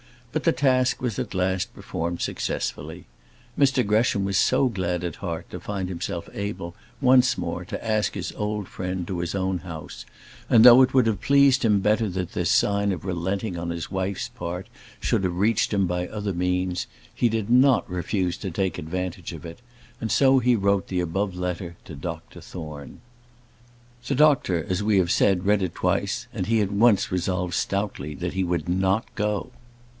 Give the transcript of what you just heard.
But the task was at last performed successfully. Mr Gresham was so glad at heart to find himself able, once more, to ask his old friend to his own house; and, though it would have pleased him better that this sign of relenting on his wife's part should have reached him by other means, he did not refuse to take advantage of it; and so he wrote the above letter to Dr Thorne. The doctor, as we have said, read it twice; and he at once resolved stoutly that he would not go.